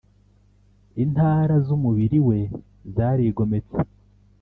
intara z'umubiri we zarigometse,